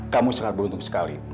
kamu sangat beruntung sekali